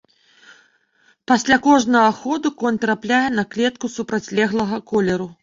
Пасля кожнага ходу конь трапляе на клетку супрацьлеглага колеру.